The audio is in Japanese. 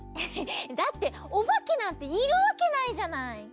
だっておばけなんているわけないじゃない。